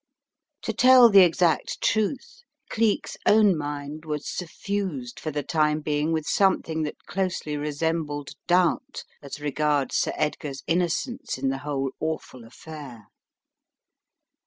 To tell the exact truth, Cleek's own mind was suffused for the time being with something that closely resembled doubt as regards Sir Edgar's innocence in the whole awful affair.